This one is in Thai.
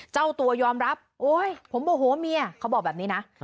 เจ้าตัวยอมรับโอ๊ยผมโมโหเมียเขาบอกแบบนี้นะ